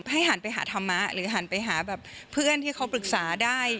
หันไปหาธรรมะหรือหันไปหาแบบเพื่อนที่เขาปรึกษาได้